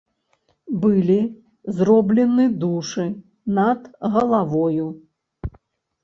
Былі зроблены душы над галавою.